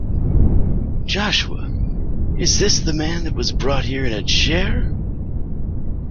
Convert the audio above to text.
Joshua is the man that was brought here in a chair?